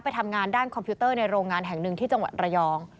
ไปทำงานด้านคอมพิวเตอร์ในโรงงานแห่งหนึ่งที่จังหวัดระยอง